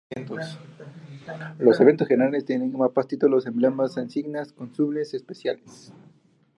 Los eventos generalmente tienen mapas, títulos, emblemas, insignias y consumibles especiales.